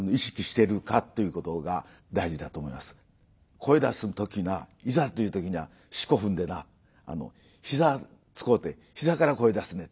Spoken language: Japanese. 「声出す時ないざという時には四股踏んでなひざ使うてひざから声出すねん」